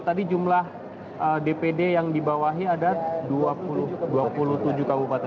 tadi jumlah dpd yang dibawahi ada dua puluh tujuh kabupaten